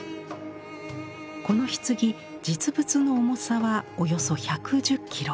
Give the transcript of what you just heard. この棺実物の重さはおよそ１１０キロ。